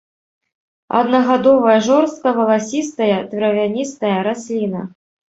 Аднагадовая жорстка валасістая травяністая расліна.